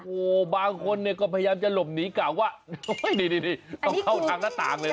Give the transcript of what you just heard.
โอ้โหบางคนเนี่ยก็พยายามจะหลบหนีกะว่านี่ต้องเข้าทางหน้าต่างเลย